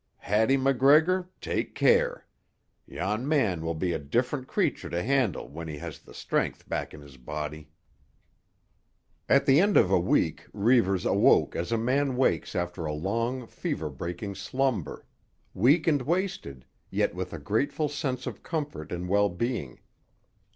Hattie MacGregor, take care. Yon man will be a different creature to handle when he has the strength back in his body." At the end of a week Reivers awoke as a man wakes after a long, fever breaking slumber, weak and wasted, yet with a grateful sense of comfort and well being.